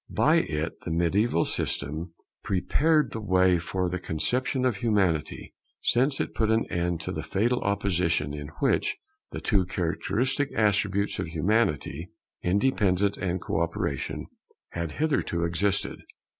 By it the mediaeval system prepared the way for the conception of Humanity; since it put an end to the fatal opposition in which the two characteristic attributes of Humanity, independence and co operation, had hitherto existed.